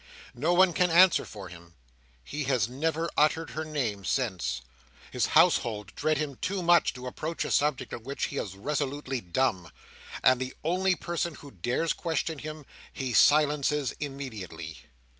No one can answer for him. He has never uttered her name, since. His household dread him too much to approach a subject on which he is resolutely dumb; and the only person who dares question him, he silences immediately.